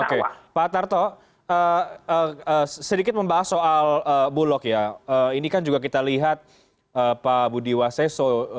oke pak tarto sedikit membahas soal bulog ya ini kan juga kita lihat pak budi waseso